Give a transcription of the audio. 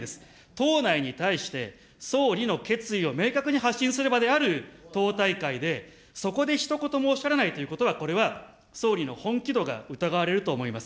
党内に対して、総理の決意を明確に発信する場である党大会で、そこでひと言もおっしゃらないということは、これは総理の本気度が疑われると思います。